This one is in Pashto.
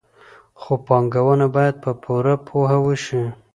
خو پانګونه باید په پوره پوهه وشي.